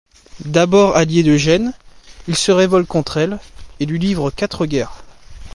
D'abord allié de Gênes, il se révolte contre elle, et lui livre quatre guerres.